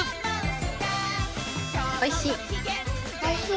おいしい？